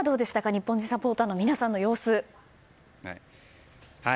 日本のサポーターの皆さんの様子。